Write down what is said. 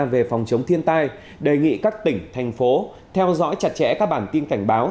về phòng chống thiên tai đề nghị các tỉnh thành phố theo dõi chặt chẽ các bản tin cảnh báo